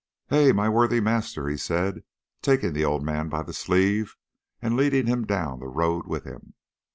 "Heh! my worthy master," he said, taking the old man by the sleeve, and leading him down the road with him.